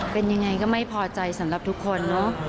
เป็นยังไงก็ไม่พอใจสำหรับทุกคนเนอะ